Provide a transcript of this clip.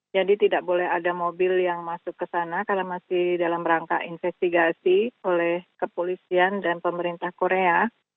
jadi tidak boleh ada mobil yang masuk ke sana karena masih dalam rangka investigasi oleh kepolisian dan pemerintah korea